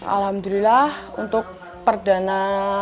alhamdulillah untuk perdana